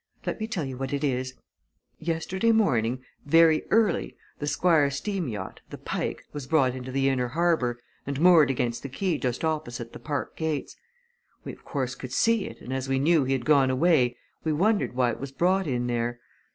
Let me tell you what it is. Yesterday morning, very early the Squire's steam yacht, the Pike, was brought into the inner harbour and moored against the quay just opposite the park gates. We, of course, could see it, and as we knew he had gone away we wondered why it was brought in there.